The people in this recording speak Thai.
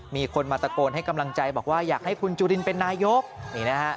มีคนมาตะโกนให้กำลังใจบอกว่าอยากให้คุณจุลินเป็นนายกนี่นะฮะ